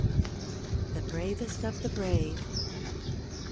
"THE BRAVEST OF THE BRAVE."